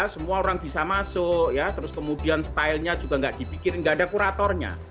semua orang bisa masuk ya terus kemudian stylenya juga nggak dipikirin nggak ada kuratornya